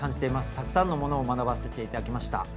たくさんのものを学ばせていただきました。